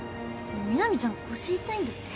南ちゃん腰痛いんだって。